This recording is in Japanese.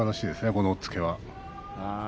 この押っつけは。